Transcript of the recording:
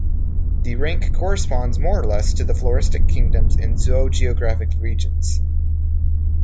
The rank corresponds more or less to the floristic kingdoms and zoogeographic regions.